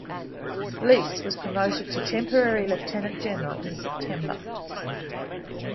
Leese was promoted to temporary lieutenant general in September.